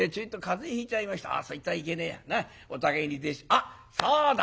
あっそうだ！